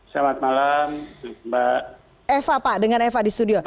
selamat malam mbak eva